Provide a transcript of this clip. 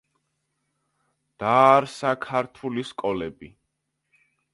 დააარსა ქართული სკოლები.